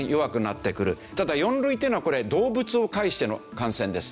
ただ４類というのはこれ動物を介しての感染です。